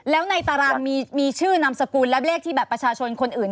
แล้วในตารางมีชื่อนามสกุลและเลขที่บัตรประชาชนคนอื่น